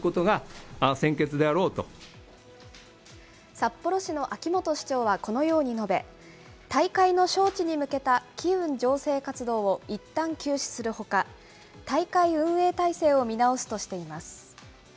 札幌市の秋元市長はこのように述べ、大会の招致に向けた機運醸成活動をいったん休止するほか、大会運営体制を見直すとしています。